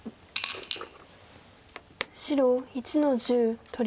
白１の十取り。